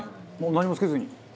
「何もつけずに？」